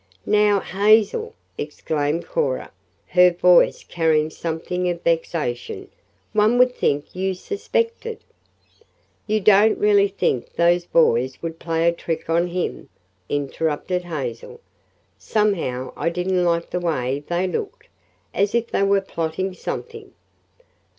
"Now, Hazel," exclaimed Cora, her voice carrying something of vexation, "one would think you suspected " "You don't really think those boys would play a trick on him?" interrupted Hazel. "Somehow I didn't like the way they looked as if they were plotting something."